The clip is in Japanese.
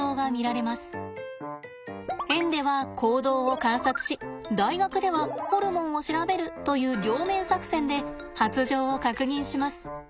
園では行動を観察し大学ではホルモンを調べるという両面作戦で発情を確認します。